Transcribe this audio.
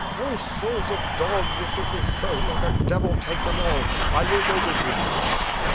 "Oh, souls of dogs, if this is so, may the devil take them all. I will go with you, Prince."